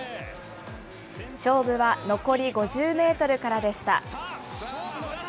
勝負は残り５０メートルからでした。